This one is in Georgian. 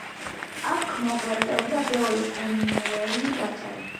აქ მოღვაწეობდა ბევრი გენუელი ვაჭარი.